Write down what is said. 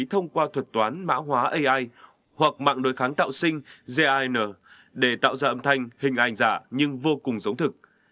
toán mã hóa ai hoặc mạng đối kháng tạo sinh gin để tạo ra âm thanh hình ảnh giả nhưng vô cùng giống thực